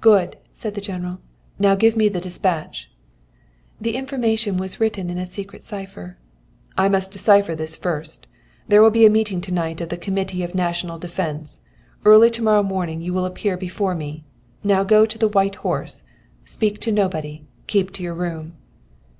"'Good!' said the General; 'now give me the despatch.' "The information was written in a secret cipher. "'I must decipher this first. There will be a meeting to night of the Committee of National Defence. Early to morrow morning you will appear before me. Now go to the "White Horse." Speak to nobody. Keep your room!'